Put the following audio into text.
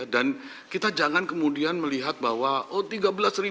dan kita jangan kemudian melihat bahwa tiga belas delapan ratus orang